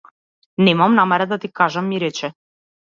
Немам намера да ти кажам ми рече.